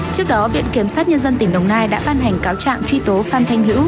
trước đó viện kiểm sát nhân dân tỉnh đồng nai đã ban hành cáo trạng truy tố phan thanh hữu